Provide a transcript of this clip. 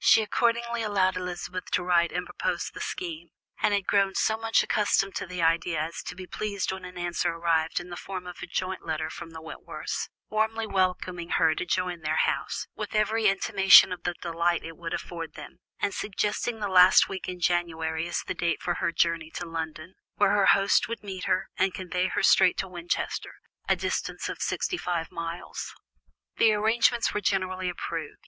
She accordingly allowed Elizabeth to write and propose the scheme, and had grown so much accustomed to the idea as to be pleased when an answer arrived in the form of a joint letter from the Wentworths, warmly welcoming her to join their house, with every intimation of the delight it would afford them, and suggesting the last week in January as the date for her journey to London, where her host would meet her, and convey her straight to Winchester, a distance of sixty five miles. The arrangement was generally approved.